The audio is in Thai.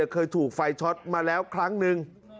เคยถูกไฟช็อตมาแล้วครั้งหนึ่ง